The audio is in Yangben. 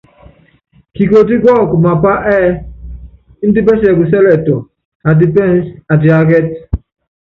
Kikotí kɔɔkɔ mapá ɛ́ɛ́ índɛ pɛsiɛkusɛl ɛtɔ, atipínsɛ́, atiákɛ́t.